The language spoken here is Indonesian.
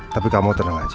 tapi kamu tenang aja